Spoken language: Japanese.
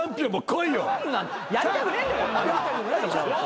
やりたくねえんだよ。